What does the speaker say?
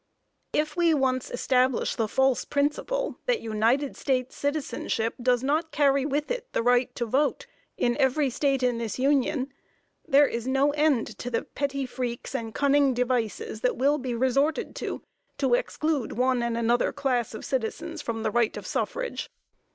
If we once establish the false principle, that United States citizenship does not carry with it the right to vote in every state in this Union, there is no end to the petty freaks and cunning devices, that will be resorted to, to exclude one and another class of citizens from the right of suffrage.